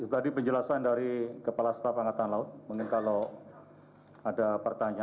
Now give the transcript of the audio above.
kami kembalikan lagi kepada panglima tni